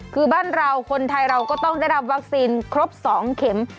คือบ้านเราคนไทยเราก็ต้องได้รับวัคซีนครบ๒เข็ม